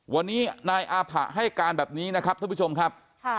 วันนี้นายอาผะให้การแบบนี้นะครับท่านผู้ชมครับ